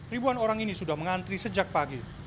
ribuan orang ini sudah mengantri sejak pagi